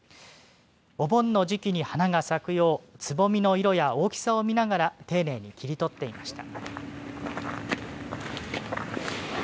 お盆の時期に花が咲くようつぼみの色や大きさを見ながら丁寧に切り取っていました。